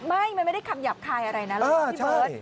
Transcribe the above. ไม่มันไม่ได้คำหยาบคายอะไรนะพี่เบิร์ต